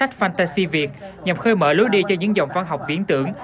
hãy mở lối đi cho những dòng văn học biến tưởng